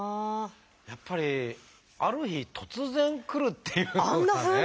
やっぱりある日突然くるっていうことがね。